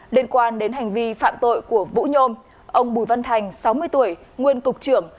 liên quan đến hành vi phạm tội của vũ nhôm ông bùi văn thành sáu mươi tuổi nguyên cục trưởng